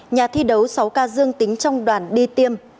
nhà thi đấu sáu ca dương tính trong đoàn đi tiêm